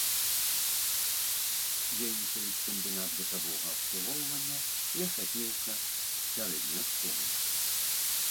Дзейнічаюць камбінат бытавога абслугоўвання, лесапілка, сярэдняя школа.